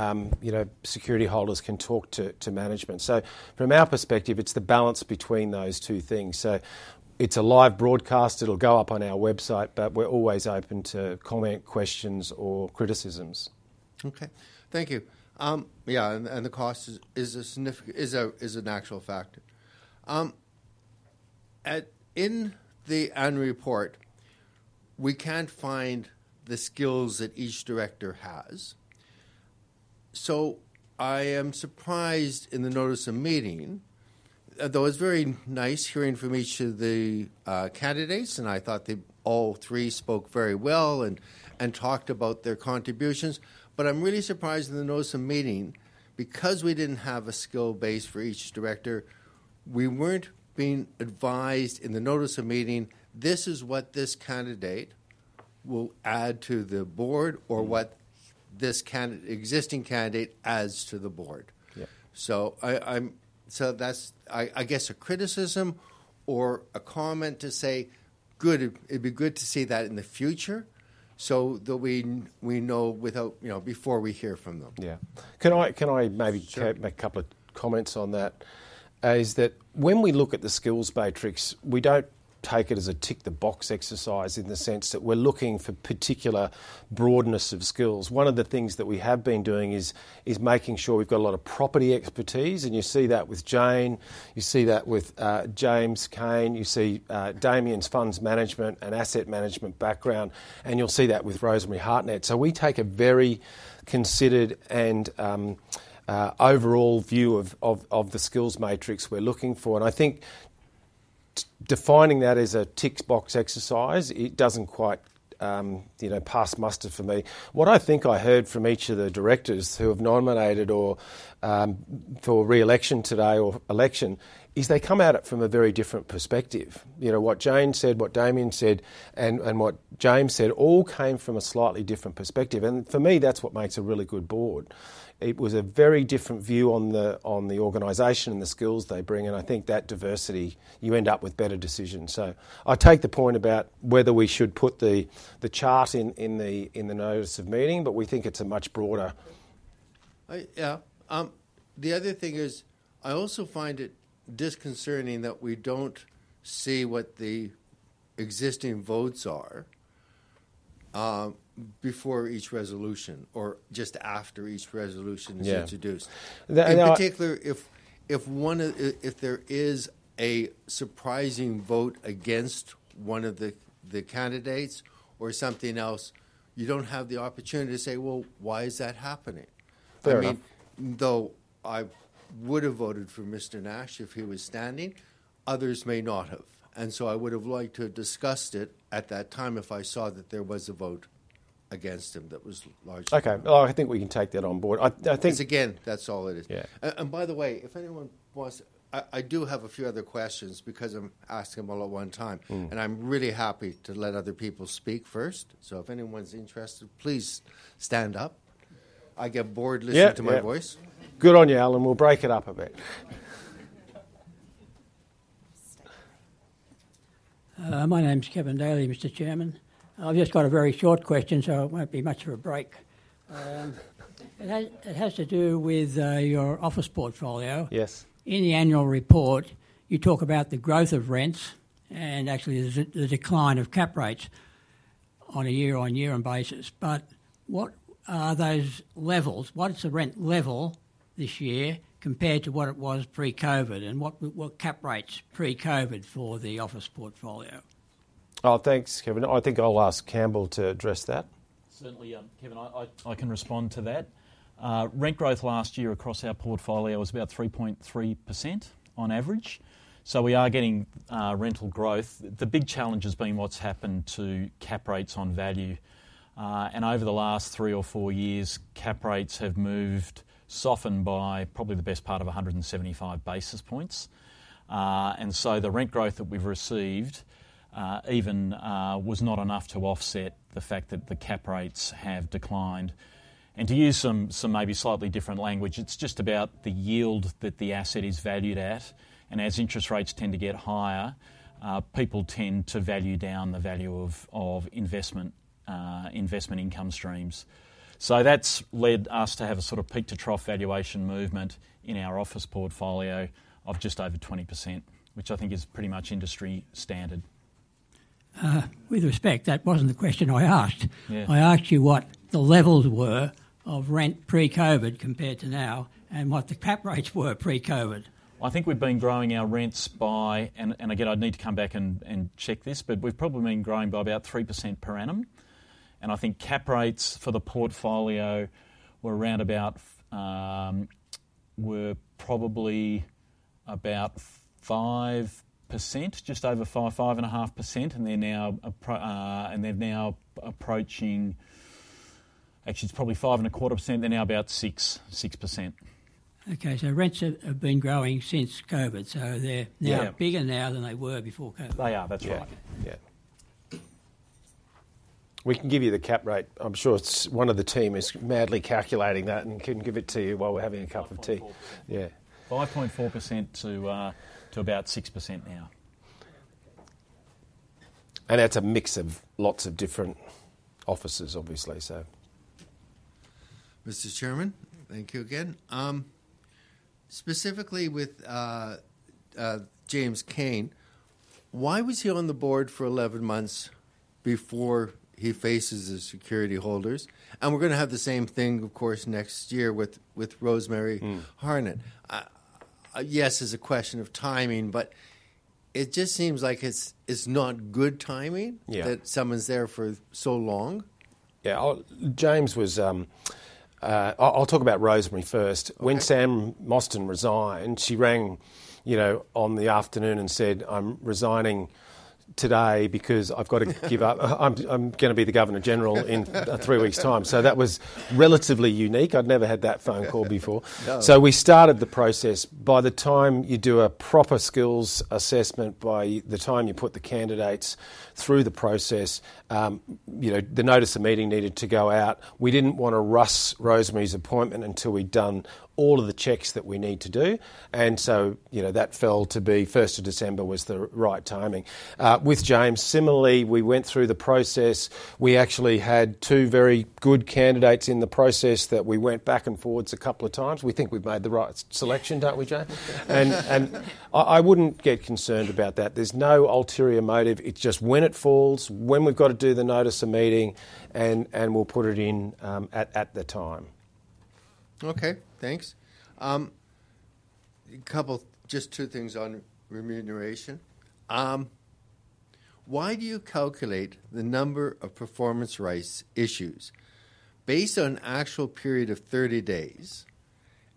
security holders can talk to management, so from our perspective, it's the balance between those two things, so it's a live broadcast. It'll go up on our website, but we're always open to comment, questions, or criticisms. Okay. Thank you. Yeah, and the cost is a natural factor. In the annual report, we can't find the skills that each director has. So I am surprised in the notice of meeting. Though it's very nice hearing from each of the candidates, and I thought they all three spoke very well and talked about their contributions. But I'm really surprised in the notice of meeting because we didn't have a skill base for each director. We weren't being advised in the notice of meeting, this is what this candidate will add to the board or what this existing candidate adds to the board. So I guess a criticism or a comment to say, it'd be good to see that in the future so that we know before we hear from them. Yeah. Can I maybe make a couple of comments on that? That is, when we look at the skills matrix, we don't take it as a tick-the-box exercise in the sense that we're looking for particular broadness of skills. One of the things that we have been doing is making sure we've got a lot of property expertise, and you see that with Jane. You see that with James Cain. You see Damien's funds management and asset management background, and you'll see that with Rosemary Hartnett. So we take a very considered and overall view of the skills matrix we're looking for. And I think defining that as a tick-the-box exercise, it doesn't quite pass muster for me. What I think I heard from each of the directors who have nominated for re-election today or election is they come at it from a very different perspective. What Jane said, what Damien said, and what James said all came from a slightly different perspective. And for me, that's what makes a really good board. It was a very different view on the organization and the skills they bring. And I think that diversity, you end up with better decisions. So I take the point about whether we should put the chart in the notice of meeting, but we think it's a much broader. Yeah. The other thing is I also find it disconcerning that we don't see what the existing votes are before each resolution or just after each resolution is introduced. In particular, if there is a surprising vote against one of the candidates or something else, you don't have the opportunity to say, well, why is that happening? I mean, though I would have voted for Mr. Nash if he was standing, others may not have. And so I would have liked to have discussed it at that time if I saw that there was a vote against him that was large. Okay. Well, I think we can take that on board. I think. Again, that's all it is. And by the way, if anyone wants, I do have a few other questions because I'm asking them all at one time. And I'm really happy to let other people speak first. So if anyone's interested, please stand up. I get bored listening to my voice. Good on you, Alan. We'll break it up a bit. My name's Kevin Daly, Mr. Chairman. I've just got a very short question, so it won't be much of a break. It has to do with your office portfolio. In the annual report, you talk about the growth of rents and actually the decline of cap rates on a year-on-year basis. But what are those levels? What's the rent level this year compared to what it was pre-COVID? And what cap rates pre-COVID for the office portfolio? Oh, thanks, Kevin. I think I'll ask Campbell to address that. Certainly, Kevin. I can respond to that. Rent growth last year across our portfolio was about 3.3% on average. So we are getting rental growth. The big challenge has been what's happened to cap rates on value. And over the last three or four years, cap rates have moved, softened by probably the best part of 175 basis points. And so the rent growth that we've received even was not enough to offset the fact that the cap rates have declined. And to use some maybe slightly different language, it's just about the yield that the asset is valued at. And as interest rates tend to get higher, people tend to value down the value of investment income streams. So that's led us to have a sort of peak-to-trough valuation movement in our office portfolio of just over 20%, which I think is pretty much industry standard. With respect, that wasn't the question I asked. I asked you what the levels were of rent pre-COVID compared to now and what the cap rates were pre-COVID. I think we've been growing our rents by, and again, I'd need to come back and check this, but we've probably been growing by about 3% per annum, and I think cap rates for the portfolio were probably about 5%, just over 5, 5.5%, and they're now approaching, actually, it's probably 5.25%. They're now about 6%. Okay. So rents have been growing since COVID. So they're bigger now than they were before COVID. That's right. Yeah. We can give you the cap rate. I'm sure one of the team is madly calculating that and can give it to you while we're having a cup of tea. Yeah. 5.4% to about 6% now. That's a mix of lots of different offices, obviously, so. Mr. Chairman, thank you again. Specifically with James Cain, why was he on the board for 11 months before he faces the security holders? And we're going to have the same thing, of course, next year with Rosemary Hartnett. Yes, it's a question of timing, but it just seems like it's not good timing that someone's there for so long. Yeah. I'll talk about Rosemary first. When Sam Mostyn resigned, she rang in the afternoon and said, "I'm resigning today because I've got to give up. I'm going to be the Governor-General in three weeks' time." So that was relatively unique. I'd never had that phone call before. So we started the process. By the time you do a proper skills assessment, by the time you put the candidates through the process, the notice of meeting needed to go out. We didn't want to rush Rosemary's appointment until we'd done all of the checks that we need to do. And so that fell to be 1st of December was the right timing. With James, similarly, we went through the process. We actually had two very good candidates in the process that we went back and forth a couple of times. We think we've made the right selection, don't we, Jay? And I wouldn't get concerned about that. There's no ulterior motive. It's just when it falls, when we've got to do the notice of meeting, and we'll put it in at the time. Okay. Thanks. Just two things on remuneration. Why do you calculate the number of performance rights issues based on an actual period of 30 days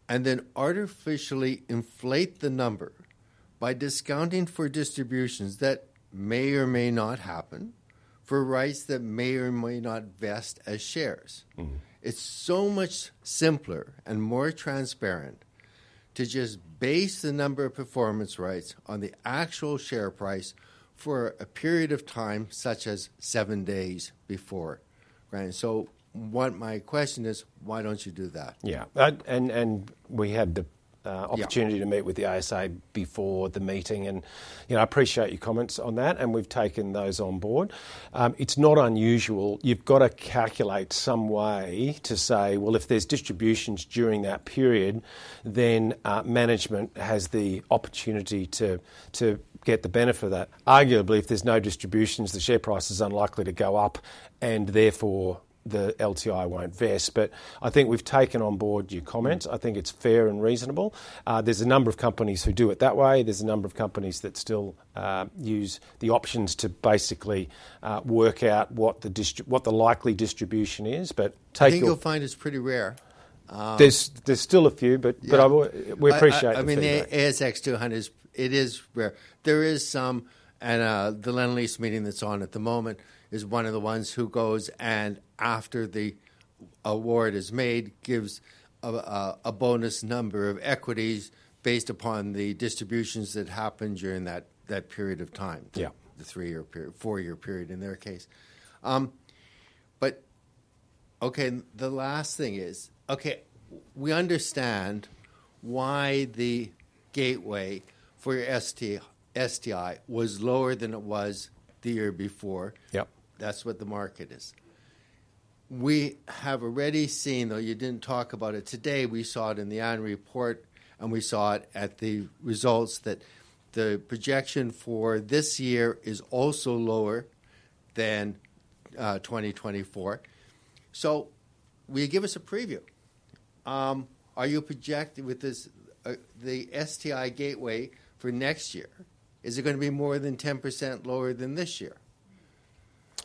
and then artificially inflate the number by discounting for distributions that may or may not happen for rights that may or may not vest as shares? It's so much simpler and more transparent to just base the number of performance rights on the actual share price for a period of time, such as seven days before. So my question is, why don't you do that? Yeah. And we had the opportunity to meet with the ASA before the meeting. And I appreciate your comments on that. And we've taken those on board. It's not unusual. You've got to calculate some way to say, well, if there's distributions during that period, then management has the opportunity to get the benefit of that. Arguably, if there's no distributions, the share price is unlikely to go up, and therefore the LTI won't vest. But I think we've taken on board your comments. I think it's fair and reasonable. There's a number of companies who do it that way. There's a number of companies that still use the options to basically work out what the likely distribution is. But take your. I think you'll find it's pretty rare. There's still a few, but we appreciate it. I mean, the ASX 200, it is rare. There is some, and the Lendlease meeting that's on at the moment is one of the ones who goes and after the award is made, gives a bonus number of equities based upon the distributions that happened during that period of time, the three-year period, four-year period in their case. But okay, the last thing is, okay, we understand why the gateway for your STI was lower than it was the year before. That's what the market is. We have already seen, though you didn't talk about it today, we saw it in the annual report, and we saw it at the results that the projection for this year is also lower than 2024. So will you give us a preview? Are you projecting with the STI gateway for next year? Is it going to be more than 10% lower than this year?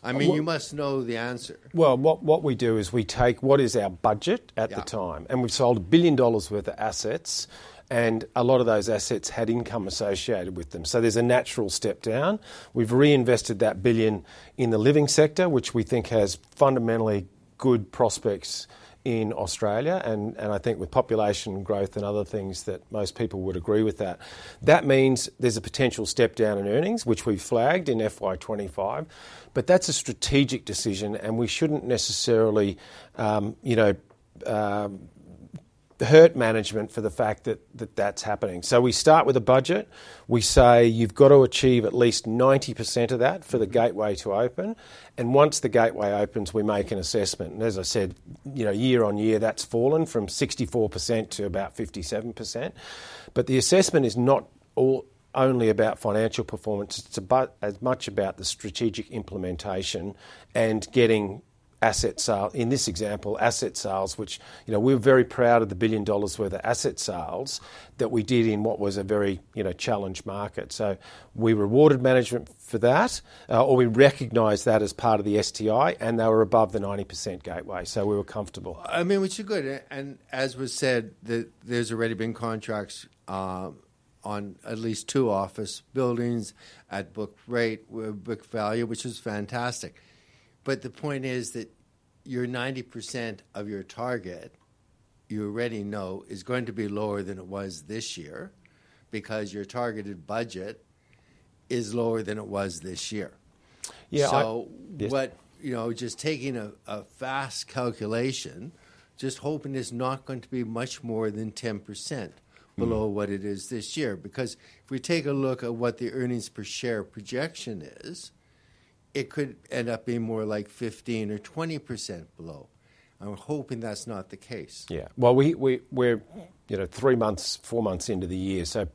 I mean, you must know the answer. What we do is we take what is our budget at the time, and we've sold AUD 1 billion's worth of assets. And a lot of those assets had income associated with them. So there's a natural step down. We've reinvested that 1 billion in the living sector, which we think has fundamentally good prospects in Australia. And I think with population growth and other things that most people would agree with that. That means there's a potential step down in earnings, which we've flagged in FY 2025. But that's a strategic decision, and we shouldn't necessarily hurt management for the fact that that's happening. So we start with a budget. We say you've got to achieve at least 90% of that for the gateway to open. And once the gateway opens, we make an assessment. And as I said, year-on-year, that's fallen from 64% to about 57%. But the assessment is not only about financial performance. It's as much about the strategic implementation and getting asset sales, in this example, asset sales, which we're very proud of the 1 billion dollars worth of asset sales that we did in what was a very challenged market. So we rewarded management for that, or we recognized that as part of the STI, and they were above the 90% gateway. So we were comfortable. I mean, which is good. And as was said, there's already been contracts on at least two office buildings at book value, which is fantastic. But the point is that your 90% of your target, you already know, is going to be lower than it was this year because your targeted budget is lower than it was this year. So just taking a fast calculation, just hoping it's not going to be much more than 10% below what it is this year. Because if we take a look at what the earnings per share projection is, it could end up being more like 15% to 20% below. I'm hoping that's not the case. Yeah. Well, we're three months, four months into the year. So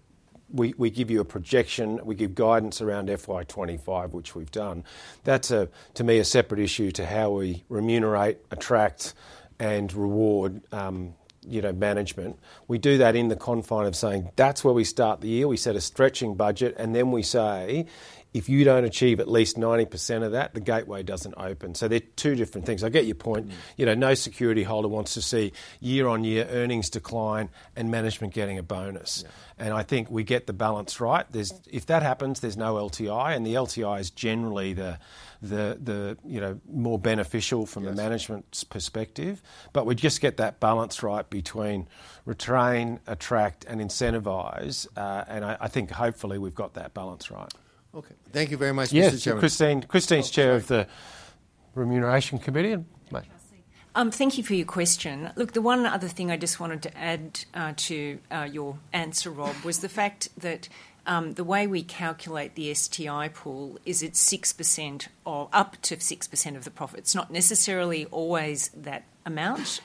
we give you a projection. We give guidance around FY 2025, which we've done. That's, to me, a separate issue to how we remunerate, attract, and reward management. We do that in the confines of saying, that's where we start the year. We set a stretching budget. And then we say, if you don't achieve at least 90% of that, the gateway doesn't open. So they're two different things. I get your point. No security holder wants to see year-on-year earnings decline and management getting a bonus. And I think we get the balance right. If that happens, there's no LTI. And the LTI is generally the more beneficial from the management's perspective. But we just get that balance right between retain, attract, and incentivize. And I think hopefully we've got that balance right. Okay. Thank you very much, Mr. Chairman. Yeah. Christine's chair of the Remuneration Committee. Thank you for your question. Look, the one other thing I just wanted to add to your answer, Rob, was the fact that the way we calculate the STI pool is it's up to 6% of the profit. It's not necessarily always that amount,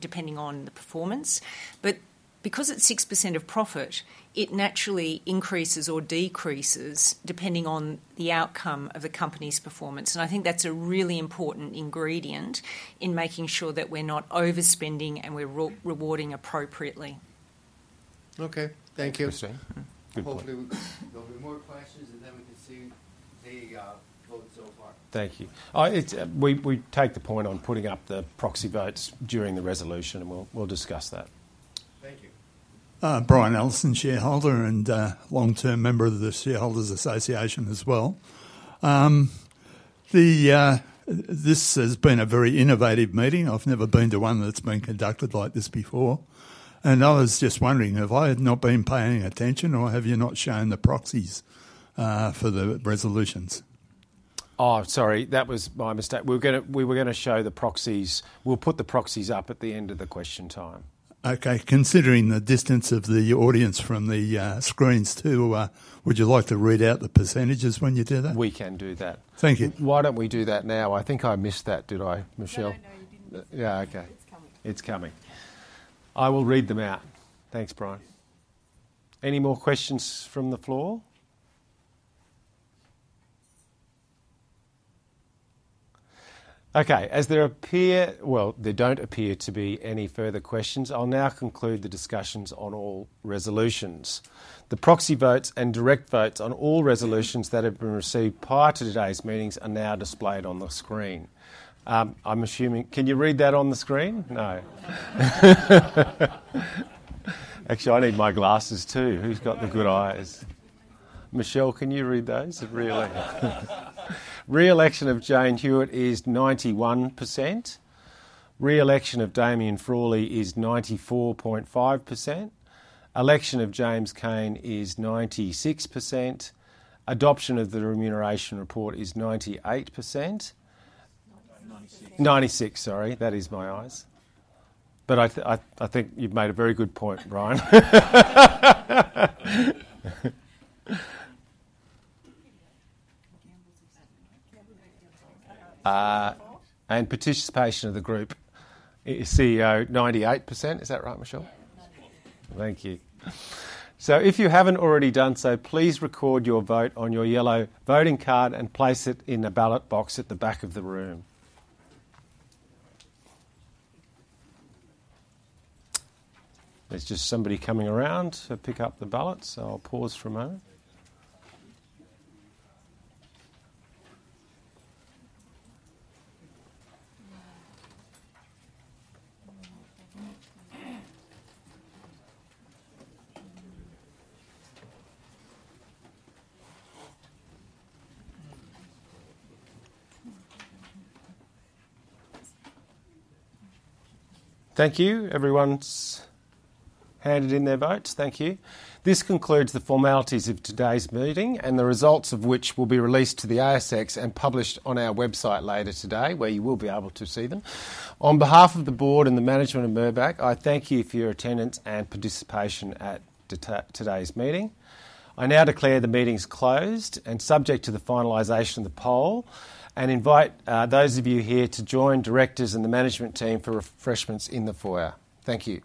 depending on the performance. But because it's 6% of profit, it naturally increases or decreases depending on the outcome of a company's performance. And I think that's a really important ingredient in making sure that we're not overspending and we're rewarding appropriately. Okay. Thank you. Hopefully, there'll be more questions, and then we can see the votes so far. Thank you. We take the point on putting up the proxy votes during the resolution, and we'll discuss that. Thank you. Brian Ellison, shareholder and long-term member of the Shareholders' Association as well. This has been a very innovative meeting. I've never been to one that's been conducted like this before, and I was just wondering if I had not been paying attention or have you not shown the proxies for the resolutions? Oh, sorry. That was my mistake. We were going to show the proxies. We'll put the proxies up at the end of the question time. Okay. Considering the distance of the audience from the screens too, would you like to read out the percentages when you do that? We can do that. Thank you. Why don't we do that now? I think I missed that, did I, Michelle? No, no, you didn't. Yeah, okay. It's coming. It's coming. I will read them out. Thanks, Brian. Any more questions from the floor? Okay. Well, there don't appear to be any further questions. I'll now conclude the discussions on all resolutions. The proxy votes and direct votes on all resolutions that have been received prior to today's meetings are now displayed on the screen. Can you read that on the screen? No. Actually, I need my glasses too. Who's got the good eyes? Michelle, can you read those? Reelection of Jane Hewitt is 91%. Reelection of Damien Frawley is 94.5%. Election of James Cain is 96%. Adoption of the remuneration report is 98%. 96%, sorry. That is my eyes. But I think you've made a very good point, Brian. And participation of the group CEO, 98%. Is that right, Michelle? Thank you. So if you haven't already done so, please record your vote on your yellow voting card and place it in the ballot box at the back of the room. There's just somebody coming around to pick up the ballots. I'll pause for a moment. Thank you. Everyone's handed in their votes. Thank you. This concludes the formalities of today's meeting, and the results of which will be released to the ASX and published on our website later today, where you will be able to see them. On behalf of the board and the management of Mirvac, I thank you for your attendance and participation at today's meeting. I now declare the meeting's closed and subject to the finalization of the poll, and invite those of you here to join directors and the management team for refreshments in the foyer. Thank you.